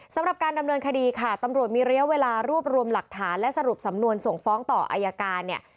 สำหรับการดำเนินคดีค่ะตำรวจมีระยะเวลารวบรวมหลักฐานและสรุปสำนวนส่งฟ้องต่ออายการเนี่ย